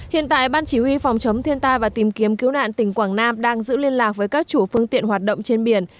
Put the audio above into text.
hiện tại ban chỉ huy phòng chống thiên tai và tìm kiếm cứu nạn tỉnh quảng nam đang giữ liên lạc với các chủ phương tiện hoạt động trên biển